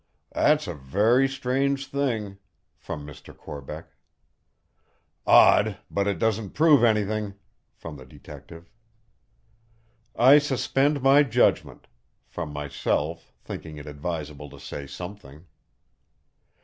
"That's a very strange thing!" from Mr. Corbeck. "Odd! but it doesn't prove anything!" from the Detective. "I suspend my judgment!" from myself, thinking it advisable to say something.